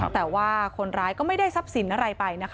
แต่ว่าคนร้ายก็ไม่ได้ทรัพย์สินอะไรไปนะคะ